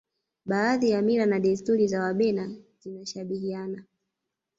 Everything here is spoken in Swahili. baadhi ya mila na desturi za wabena zinashabihiana